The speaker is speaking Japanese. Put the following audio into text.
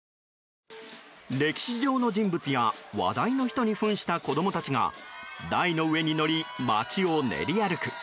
歴史上の人物や話題の人に扮した子供たちが台の上に乗り、街を練り歩く。